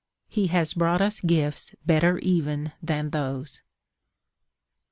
_ He has brought us gifts better even than those.